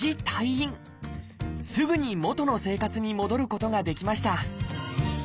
すぐに元の生活に戻ることができました